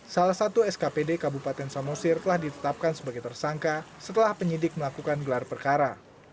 salah satu skpd kabupaten samosir telah ditetapkan sebagai tersangka setelah penyidik melakukan gelar perkara